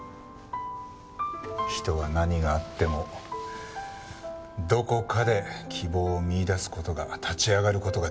人は何があってもどこかで希望を見いだす事が立ち上がる事ができる。